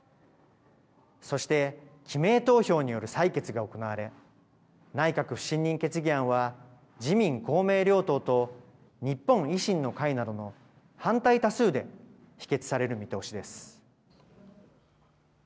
そして記名投票による採決が行われ内閣不信任決議案は自民公明両党と日本維新の会などの反対多数で否決される見通しです。